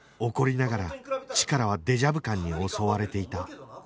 怒りながらチカラはデジャビュ感に襲われていた